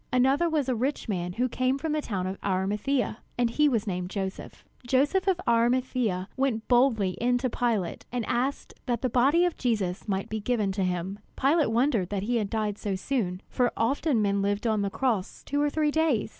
Another was a rich man who came from the town of Arimathea, and was named Joseph. Joseph of Arimathea went boldly in to Pilate, and asked that the body of Jesus might be given to him. Pilate wondered that he had died so soon, for often men lived on the cross two or three days.